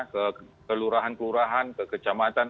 ke kelurahan kelurahan ke kecamatan